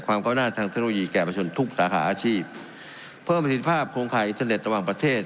ความก้าวหน้าทางเทคโนโลยีแก่ประชนทุกสาขาอาชีพเพิ่มประสิทธิภาพโครงข่ายอินเทอร์เน็ตระหว่างประเทศ